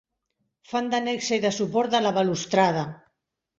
Fan de nexe i de suport de la balustrada.